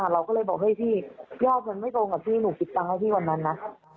เราก็เลยบอกเฮ้ยพี่ยอดมันไม่ตรงกับที่หนูปิดตังค์ให้พี่วันนั้นนะ